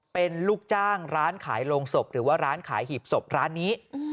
เป็นลูกจ้างร้านขายโรงศพหรือว่าร้านขายหีบศพร้านนี้